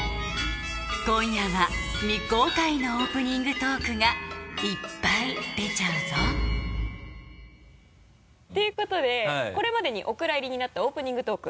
今夜は未公開のオープニングトークがいっぱい出ちゃうぞということでこれまでにお蔵入りになったオープニングトーク。